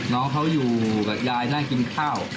น้องเขาอยู่กับยายนั่งกินข้าว